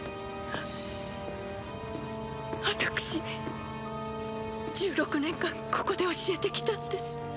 私１６年間ここで教えてきたんです